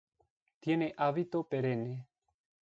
Tiene hábito perenne.